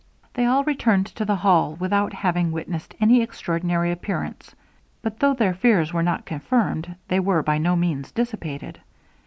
They all returned to the hall, without having witnessed any extraordinary appearance; but though their fears were not confirmed, they were by no means dissipated.